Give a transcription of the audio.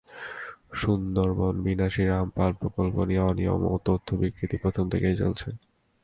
সুন্দরবনবিনাশী রামপাল প্রকল্প নিয়ে অনিয়ম এবং তথ্য বিকৃতি প্রথম থেকেই চলছে।